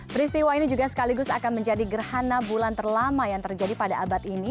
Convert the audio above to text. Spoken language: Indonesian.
peristiwa ini juga sekaligus akan menjadi gerhana bulan terlama yang terjadi pada abad ini